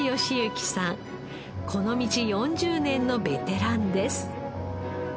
この道４０年のベテランです。